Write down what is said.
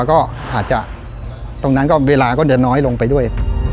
แล้วก็อาจจะตรงนั้นก็เวลาก็จะน้อยลงไปด้วย